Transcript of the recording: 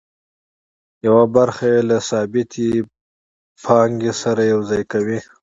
یوه برخه یې له ثابتې پانګې سره یوځای کوي